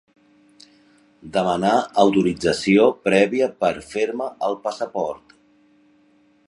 Demanar autorització prèvia per fer-me el passaport.